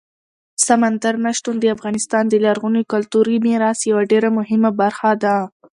سمندر نه شتون د افغانستان د لرغوني کلتوري میراث یوه ډېره مهمه برخه ده.